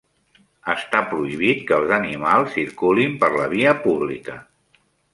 Està prohibit que els animals circulin per la via pública.